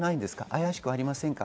怪しくありませんか？